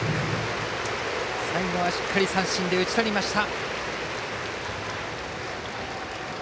最後はしっかり三振で打ち取りました。